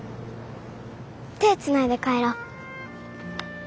手つないで帰ろう。